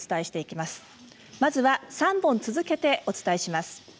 まずは３本続けてお伝えします。